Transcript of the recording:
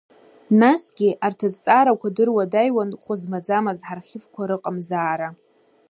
Насгьы, арҭ азҵаарақәа дыруадаҩуан хәызмаӡамыз ҳархивқәа рыҟамзаара…